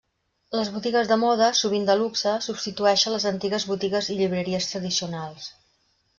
Les botigues de moda, sovint de luxe, substitueixen les antigues botigues i llibreries tradicionals.